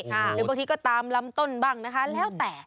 หรือบางทีก็ตามลำต้นบ้างนะคะแล้วแต่